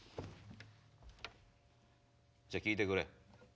じゃあ聴いてくれ。